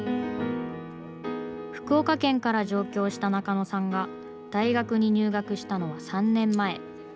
福岡県から上京した中野さんが大学に入学したのは３年前。